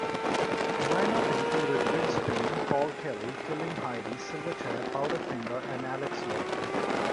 The line-up included Grinspoon, Paul Kelly, Killing Heidi, Silverchair, Powderfinger and Alex Lloyd.